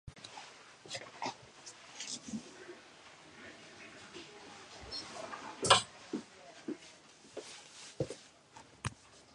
Indian paradise flycatchers are noisy birds uttering sharp "skreek" calls.